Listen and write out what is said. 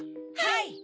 はい！